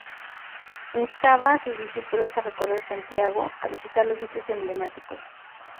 Instaba a sus discípulos a recorrer Santiago a visitar los sitos emblemáticos.